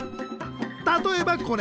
例えばこれ。